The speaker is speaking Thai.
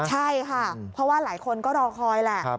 ใช่ค่ะเพราะว่าหลายคนก็รอคอยแหละ